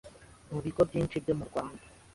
mubigo byinshi byo mu Rwanda